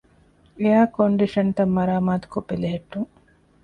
އެއަރ ކޮންޑިޝަންތައް މަރާމާތުކޮށް ބެލެހެއްޓުން